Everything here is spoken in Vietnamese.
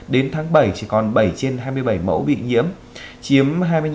đến tháng bảy chỉ còn bảy trên hai mươi bảy mẫu bị nhiễm chiếm hai mươi năm